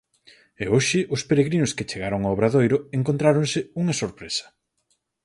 E hoxe os peregrinos que chegaron ao Obradoiro encontráronse unha sorpresa.